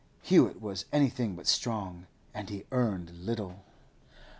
Hewett was anything but strong, and he earned little.